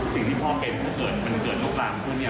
สิ่งที่พ่อเก็บถ้าเกิดมันเกิดโลกราศของคุณเนี่ย